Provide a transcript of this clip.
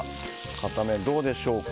片面どうでしょうか？